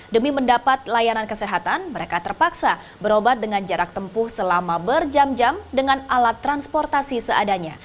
demi mendapat layanan kesehatan mereka terpaksa berobat dengan jarak tempuh selama berjam jam dengan alat transportasi seadanya